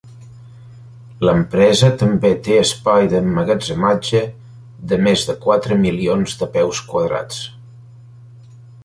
L'empresa també té espai d'emmagatzematge de més de quatre milions de peus quadrats.